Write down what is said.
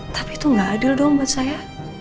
tapi itu nggak adil dong buat saya